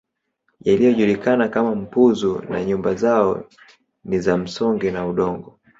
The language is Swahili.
Yaliyojulikana kama mpuzu na nyumba zao ni za Msonge na udongo